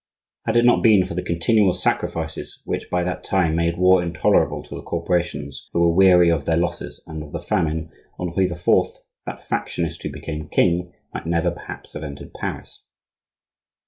Had it not been for the continual sacrifices which by that time made war intolerable to the corporations, who were weary of their losses and of the famine, Henri IV., that factionist who became king, might never perhaps have entered Paris.